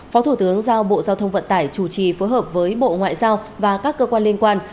phó thủ tướng giao bộ giao thông vận tải chủ trì phối hợp với bộ ngoại giao và các cơ quan liên quan